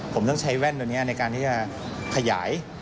ผมต้องใช้แว่นตัวนี้ในการที่จะขยาย